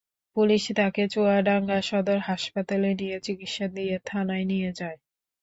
Police তাঁকে চুয়াডাঙ্গা সদর হাসপাতালে নিয়ে চিকিৎসা দিয়ে থানায় নিয়ে যায়।